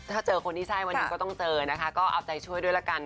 ถ้าเจอคนที่ใช่วันนี้ก็ต้องเจอนะคะก็เอาใจช่วยด้วยละกัน